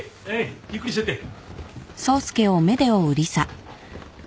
ゆっくりしてって。